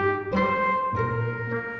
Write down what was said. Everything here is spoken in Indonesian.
alia gak ada ajak rapat